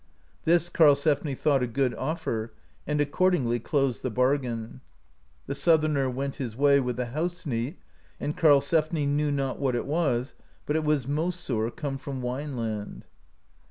This Karlsefni thought a good offer, and accordingly closed the bargain. The Southerner went his way, with the "house neat," and Karlsefni knew not what it was, but it was "mosur," come from Wineland.